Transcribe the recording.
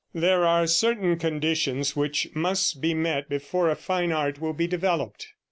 There are certain conditions which must be met before a fine art will be developed.